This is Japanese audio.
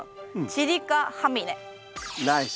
チリカハミネ。